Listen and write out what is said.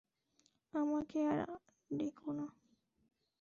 আমাকে আর ডেকো না।